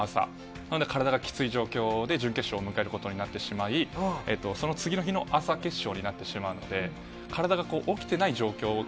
なので体がきつい状況で準決勝を迎えることになってしまい、その次の日の朝、決勝になってしまうので、なるほど。